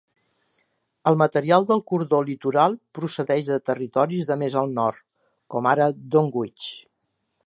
El material del cordó litoral procedeix de territoris de més al nord, com ara Dunwich.